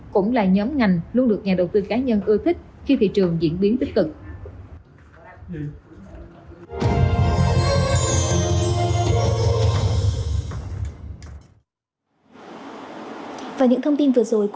cũng là nhóm ngành luôn được nhà đầu tư cá nhân ưa thích khi thị trường diễn biến tích cực